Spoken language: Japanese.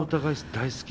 大好き！